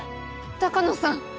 鷹野さん